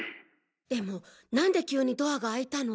でも何で急にドアが開いたの？